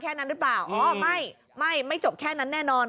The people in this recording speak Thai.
แค่นั้นหรือเปล่าอ๋อไม่ไม่จบแค่นั้นแน่นอน